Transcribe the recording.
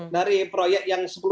dari proyek yang sepuluh